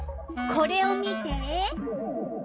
これを見て！